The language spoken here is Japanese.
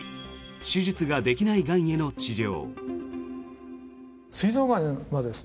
２手術ができないがんへの治療。